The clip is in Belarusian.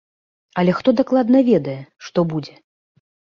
Але хто дакладна ведае, што будзе?